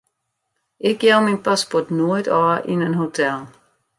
Ik jou myn paspoart noait ôf yn in hotel.